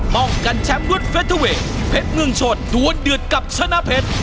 มองกันแชมป์รวดเฟสเทอร์เวย์เผ็ดเงิงชนดวนเดือดกับชนะเพชร